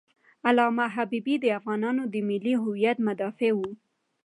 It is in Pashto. علامه حبیبي د افغانانو د ملي هویت مدافع و.